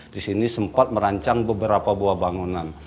di sini sempat merancang beberapa buah bangunan